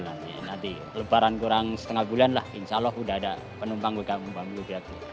nanti lebaran kurang setengah bulan lah insya allah udah ada penumpang gue akan membambil